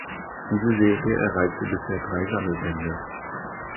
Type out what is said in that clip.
Diese Serie erreichte bisher drei Sammelbände.